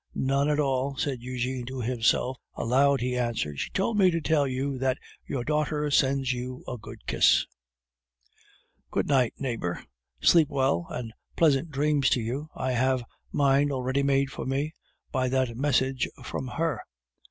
"None at all," said Eugene to himself; aloud he answered, "She told me to tell you that your daughter sends you a good kiss." "Good night, neighbor! Sleep well, and pleasant dreams to you! I have mine already made for me by that message from her.